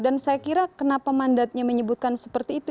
dan saya kira kenapa mandatnya menyebutkan seperti itu